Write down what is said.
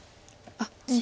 あっ！